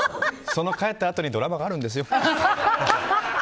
その帰ったあとにドラマがあるんですよ。